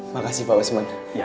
makasih pak basman